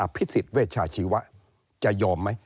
อภิษฎเวชชาชีวะจะยอมไหม